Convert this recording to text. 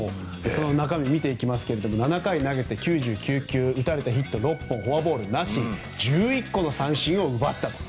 その中身見ていますが７回投げて９９球打たれたヒット６本フォアボールなし１１個の三振を奪ったと。